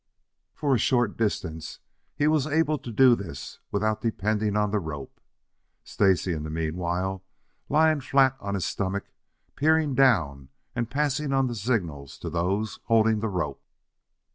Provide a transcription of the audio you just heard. For a short distance he was able to do this without depending on the rope, Stacy in the meanwhile lying flat on his stomach, peering down and passing on the signals to those holding the rope.